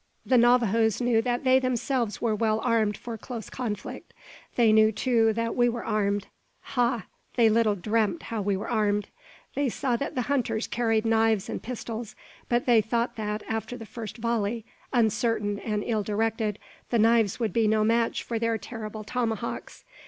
The Navajoes knew that they themselves were well armed for close conflict. They knew, too, that we were armed. Ha! they little dreamt how we were armed. They saw that the hunters carried knives and pistols; but they thought that, after the first volley, uncertain and ill directed, the knives would be no match for their terrible tomahawks.